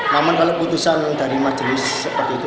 namun kalau putusan dari majelis seperti itu